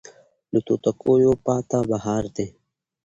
له توتکیو پاته بهار دی